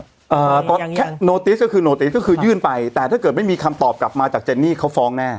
อ่าตอนแค่โนติสก็คือโนติสก็คือยื่นไปแต่ถ้าเกิดไม่มีคำตอบกลับมาจากเจนนี่เขาฟ้องแน่